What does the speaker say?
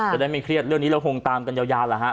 จะได้ไม่เครียดเรื่องนี้เราคงตามกันยาวแหละฮะ